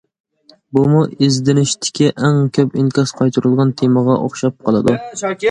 بۇمۇ ئىزدىنىشتىكى ئەڭ كۆپ ئىنكاس قايتۇرۇلغان تېمىغا ئوخشاپ قالىدۇ.